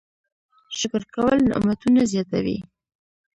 شکر کول نعمتونه زیاتوي